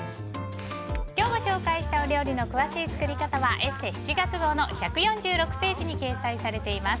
今日ご紹介したお料理の詳しい作り方は「ＥＳＳＥ」７月号の１４６ページに掲載されています。